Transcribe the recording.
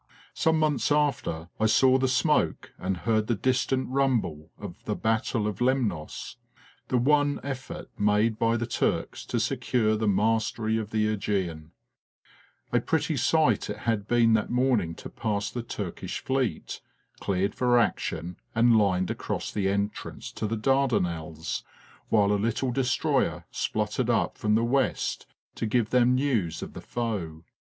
Some months after I saw the smoke and heard the distant rumble of the battle of Lemnos the one effort made by the Turks to secure the mastery of the A pretty sight it had been that morning to pass the Turkish fleet, cleared for action and lined across the entrance to the Dardanelles, while a little destroyer spluttered up from the west to give them news of the foe.